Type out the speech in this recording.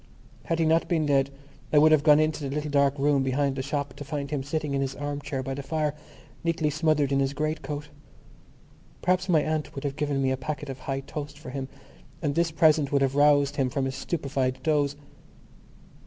Had he not been dead I would have gone into the little dark room behind the shop to find him sitting in his arm chair by the fire, nearly smothered in his great coat. Perhaps my aunt would have given me a packet of High Toast for him and this present would have roused him from his stupefied doze.